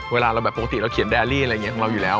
เวลาเราแบบปกติเราเขียนแดรี่อะไรอย่างนี้ของเราอยู่แล้ว